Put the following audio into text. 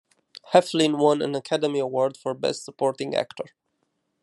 Heflin won an Academy Award for Best Supporting Actor.